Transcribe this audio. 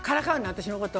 私のこと。